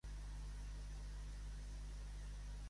Redueix la hiperpigmentació i el melasma